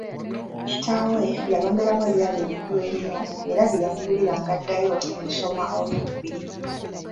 Kitaawe yalondobamu ebyali ebikulu ennyo era bye yamugulira ng’addayo mu lusoma olw’okubiri.